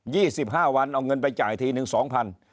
สิบห้าวันเอาเงินไปจ่ายทีหนึ่งสองพัน